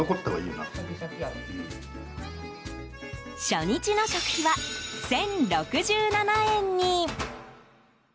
初日の食費は１０６７円に。